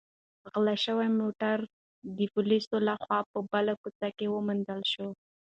غلا شوی موټر د پولیسو لخوا په بله کوڅه کې وموندل شو.